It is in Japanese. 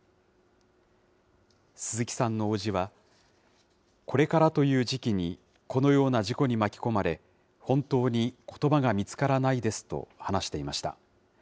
鈴木さんの叔父は、これからという時期にこのような事故に巻き込まれ、本当にことばが見つからないですと話していました。